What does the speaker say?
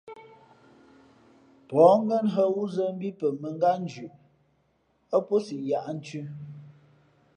Pα̌h ngén hᾱ wúzά mbí pαmάngátnzhʉꞌ ά pō si yāʼnthʉ̄.